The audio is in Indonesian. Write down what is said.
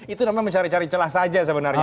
itu namanya mencari cari celah saja sebenarnya